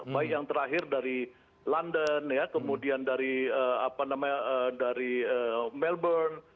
baik yang terakhir dari london kemudian dari melbourne